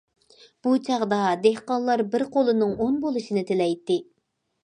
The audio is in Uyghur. بۇ چاغدا دېھقانلار بىر قولىنىڭ ئون بولۇشىنى تىلەيتتى.